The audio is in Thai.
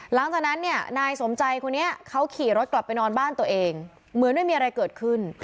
หลังจากนั้นเนี่ยนายสมใจคนนี้เขาขี่รถกลับไปนอนบ้านตัวเองเหมือนไม่มีอะไรเกิดขึ้น